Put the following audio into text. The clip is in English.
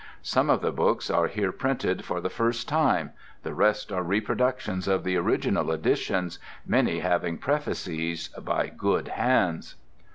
Some of the books are here printed for the first time, the rest are reproductions of the original editions, many having prefaces by good hands."